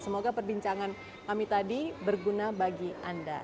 semoga perbincangan kami tadi berguna bagi anda